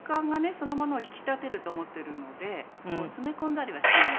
そのものを引き立てると思ってるので詰め込んだりはしないんですよね。